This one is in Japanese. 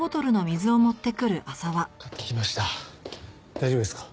大丈夫ですか？